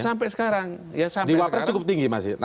sampai sekarang di wapres cukup tinggi